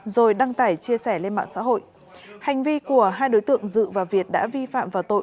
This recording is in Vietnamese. rồi đăng tải chia sẻ lên mạng xã hội hành vi của hai đối tượng dự và việt đã vi phạm vào tội